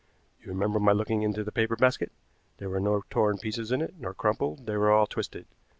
You remember my looking into the paper basket. There were no torn pieces in it, nor crumpled; they were all twisted.